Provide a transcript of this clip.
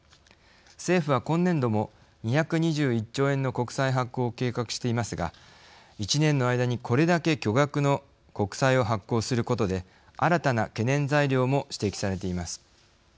政府は今年度も２２１兆円の国債発行を計画していますが１年の間にこれだけ巨額の国債を発行することで新たな懸念材料も指摘されています。